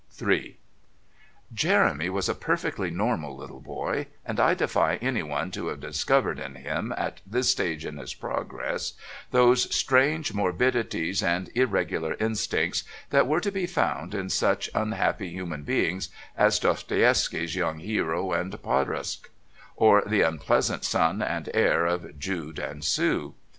III Jeremy was a perfectly normal little boy, and I defy anyone to have discovered in him at this stage in his progress, those strange morbidities and irregular instincts that were to be found in such unhappy human beings as Dostoieffsky's young hero in "Podrostok," or the unpleasant son and heir of Jude and Sue.